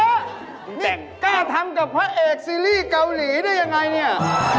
นี่กล้าทำกับพระเอกซีรีส์เกาหลีได้ยังไงเนี่ย